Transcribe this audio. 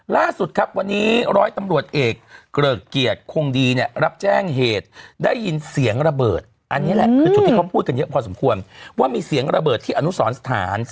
ล่าสุดครับวันนี้ร้อยตำรวจเอกเกริกเกียรติคงดีเนี่ยรับแจ้งเหตุได้ยินเสียงระเบิดอันนี้แหละคือจุดที่เขาพูดกันเยอะพอสมควรว่ามีเสียงระเบิดที่อนุสรสถาน